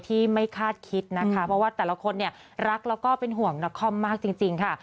ที่ไม่คาดคิดนะคะเพราะว่าแต่ละคนเนี่ยรักแล้วก็เป็นห่วงนครมากจริงค่ะ